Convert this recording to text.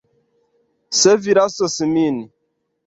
Se vi lasos min.